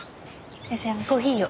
コーヒーを。